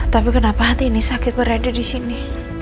tapi kenapa hati ini sakit berada disini